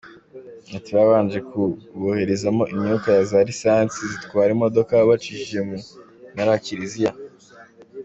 Ati “Babanje kuboherezamo imyuka ya za lisansi zitwara imodoka bacishije mu Munara wa Kiliziya.